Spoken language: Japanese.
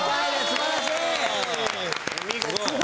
・すごい！